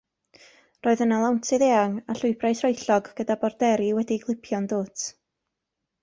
Roedd yno lawntydd eang a llwybrau troellog gyda borderi wedi'u clipio'n dwt.